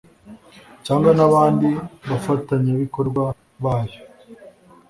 cyangwa n’abandi bafatanyabikorwa ba yo